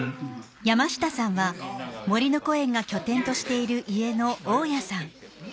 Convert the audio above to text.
山下さんはもりのこえんが拠点としている家の大家さん。